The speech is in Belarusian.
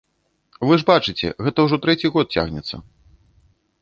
Вы ж бачыце, гэта ўжо трэці год цягнецца.